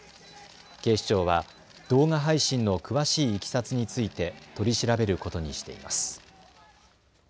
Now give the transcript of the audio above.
警視庁は動画配信の詳しいいきさつについて取り調べることにしています。